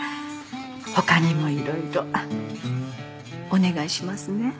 他にもいろいろお願いしますね。